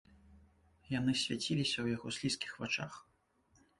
Яны свяціліся ў яго слізкіх вачах.